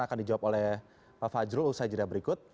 akan dijawab oleh pak fajrul usai jeda berikut